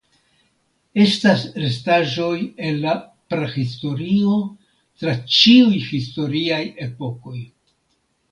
Estas restaĵoj el la prahistorio tra ĉiuj historiaj epokoj.